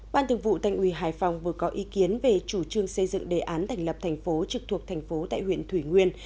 ban thường vụ thành ủy hải phòng vừa có ý kiến về chủ trương xây dựng đề án thành lập thành phố trực thuộc thành phố tại huyện thủy nguyên